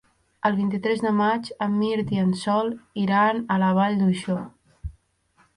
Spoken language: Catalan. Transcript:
El vint-i-tres de maig en Mirt i en Sol iran a la Vall d'Uixó.